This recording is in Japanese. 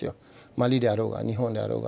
マリであろうが日本であろうが。